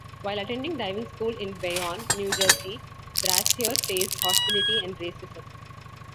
While attending diving school in Bayonne, New Jersey, Brashear faced hostility and racism.